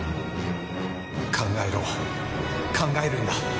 考えろ！考えるんだ！